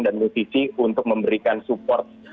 dan musisi untuk memberikan support